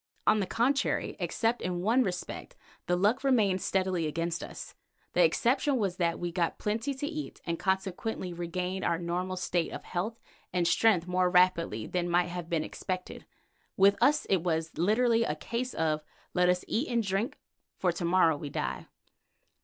On the contrary, except in one respect, the luck remained steadily against us. The exception was that we got plenty to eat and consequently regained our normal state of health and strength more rapidly than might have been expected. With us it was literally a case of "Let us eat and drink, for to morrow we die."